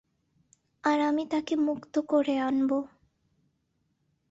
আর আমি তাকে মুক্ত করে আনবো।